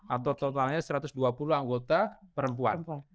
atau totalnya satu ratus dua puluh anggota perempuan